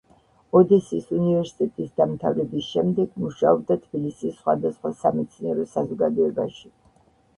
ოდესის უნივერსიტეტის დამთავრების შემდეგ მუშაობდა თბილისის სხვადასხვა სამეცნიერო საზოგადოებაში.